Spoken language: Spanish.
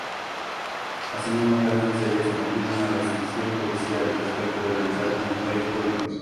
Asimismo Hanssen se halla sometido a una restricción judicial respecto de realizar comentarios públicos.